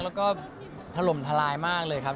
แล้วก็ถล่มทลายมากเลยครับ